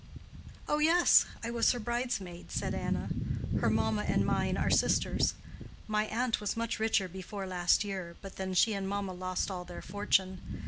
"Oh, yes; I was her bridesmaid," said Anna. "Her mamma and mine are sisters. My aunt was much richer before last year, but then she and mamma lost all their fortune.